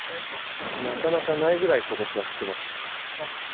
なかなかないぐらい、ことしは降ってます。